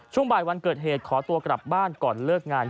ช่วงบ่ายวันเกิดเหตุขอตัวกลับบ้านก่อนเลิกงาน